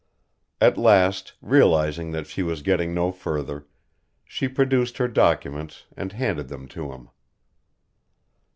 At last, realising that she was getting no further, she produced her documents and handed them to him.